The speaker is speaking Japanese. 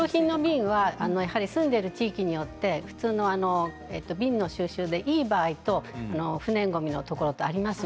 住んでいる地域によって瓶の収集でいい場合と不燃ごみのところとあります。